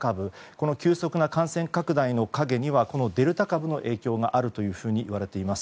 この急速な感染拡大の陰にはこのデルタ株の影響があるというふうに言われています。